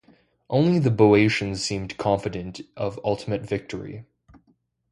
Only the Boeotians seemed confident of ultimate victory.